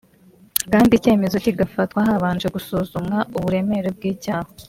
kandi icyemezo kigafatwa habanje gusuzumwa uburemere bw’icyaha